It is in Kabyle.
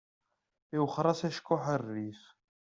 Iwexxer-as acekkuḥ ɣer rrif.